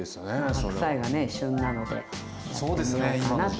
白菜がね旬なのでやってみようかなと。